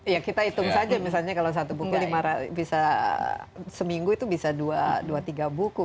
ya kita hitung saja misalnya kalau satu buku bisa seminggu itu bisa dua tiga buku